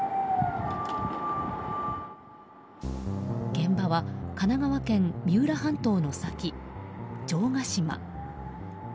現場は神奈川県三浦半島の先城ヶ島。